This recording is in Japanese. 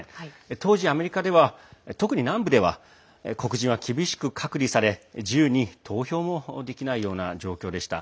当時アメリカでは、特に南部では黒人は厳しく隔離され自由に投票もできないような状況でした。